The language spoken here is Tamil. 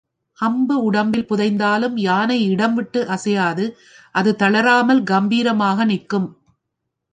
அம்பு உடம்பில் புதைந்தாலும் யானை இடம்விட்டு அசையாது அது தளராமல் கம்பீரமாக நிற்கும்.